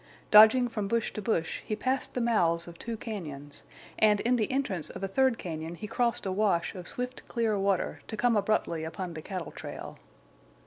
Dodging from bush to bush, he passed the mouths of two cañons, and in the entrance of a third cañon he crossed a wash of swift clear water, to come abruptly upon the cattle trail.